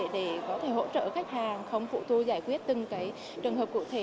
để có thể hỗ trợ khách hàng không phụ thu giải quyết từng trường hợp cụ thể